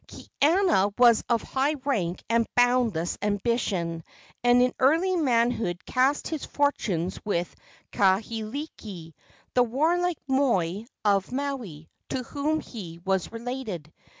Kaiana was of high rank and boundless ambition, and in early manhood cast his fortunes with Kahekili, the warlike moi of Maui, to whom he was related.